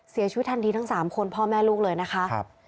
เสียชีวิตทันทีทั้ง๓คนพ่อแม่ลูกเลยนะคะ